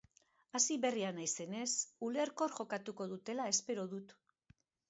Hasiberria naizenez, ulerkor jokatuko dutela espero dut.